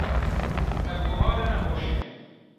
Ev guharine xweşik in.